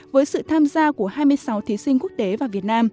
với sự tham gia của hai mươi sáu thí sinh quốc tế